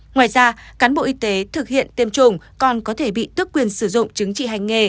ngoài ra cán bộ y tế thực hiện tiêm chủng còn có thể bị tước quyền sử dụng chứng trị hành nghề